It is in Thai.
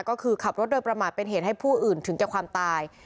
ก็คือขับรถโดยประมาทเป็นเหตุให้ผู้อื่นถึงแก่ความตาย